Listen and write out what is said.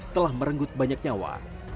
telah merenggut banyak nyawa